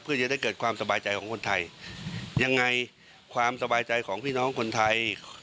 เพื่อจะได้เกิดความสบายใจของคนไทยยังไงความสบายใจของพี่น้องคนไทย